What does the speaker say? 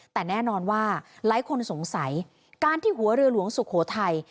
แต่แน่นอนว่าหลายคนสงสัยการที่หัวเรือหลวงสุโขทัย